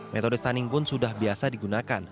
metode stunning pun sudah biasa digunakan